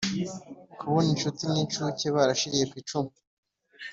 Kubon inshuti n'incuke barashiriye kw'icumu